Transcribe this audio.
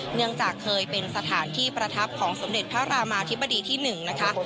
เนื่องจากเคยเป็นสถานที่ประทับของสมเด็จพระรามาธิบดีที่๑นะคะ